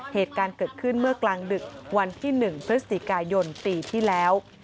เหตุการณ์เกิดขึ้นเมื่อกลางดึกวันที่๑พฤศจิกายนปีที่แล้ว